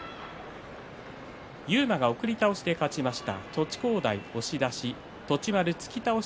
勇磨が送り倒しで勝ちました。